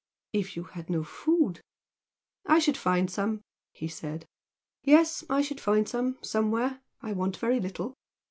"If you had no food " "I should find some" he said "Yes! I should find some, somewhere! I want very little."